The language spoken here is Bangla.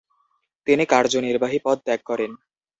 তিনি কার্যনির্বাহী পদ ত্যাগ করেন।